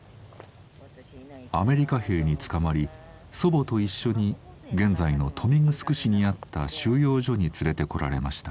アメリカ兵に捕まり祖母と一緒に現在の豊見城市にあった収容所に連れてこられました。